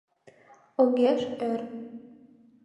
Огеш ӧр...